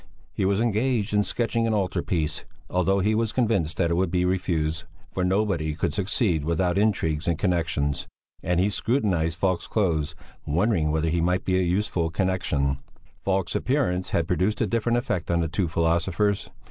He was engaged in sketching an altar piece, although he was convinced that it would be refused, for nobody could succeed without intrigues and connexions. And he scrutinized Falk's clothes, wondering whether he might be a useful connexion. Falk's appearance had produced a different effect on the two philosophers.